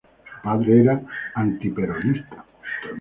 Su padre era antiperonista.